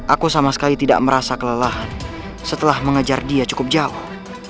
aku sama sekali tidak merasa kelelahan setelah mengajar dia cukup jauh